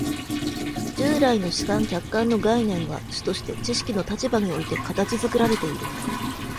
従来の主観・客観の概念は主として知識の立場において形作られている。